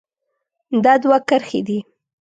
دا دوه کرښې دي.